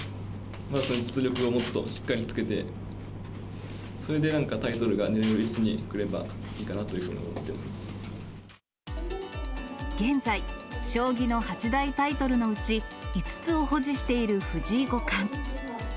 まず実力をもっとしっかりつけて、それでなんかタイトルが狙える位置にくればいいかなと思っていま現在、将棋の八大タイトルのうち５つを保持している藤井五冠。